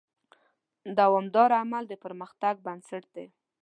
دوامداره عمل د پرمختګ بنسټ دی.